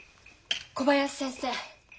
小林先生。